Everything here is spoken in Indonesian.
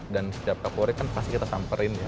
dan setiap kapolri kan pasti kita samperin ya